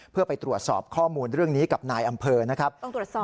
เพื่อไปตรวจสอบข้อมูลเรื่องนี้กับนายอำเภอนะครับ